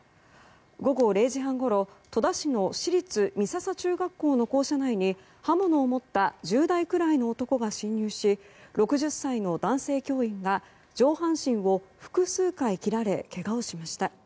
午後０時半ごろ、戸田市の市立美笹中学校の校舎内に刃物を持った１０代くらいの男が侵入し６０歳の男性教員が上半身を複数回切られけがをしました。